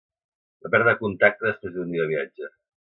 Va perdre contacte després d'un dia de viatge.